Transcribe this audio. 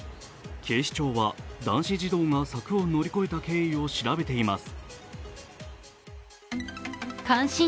警視庁は男子児童が柵を乗り越えた経緯を調べています。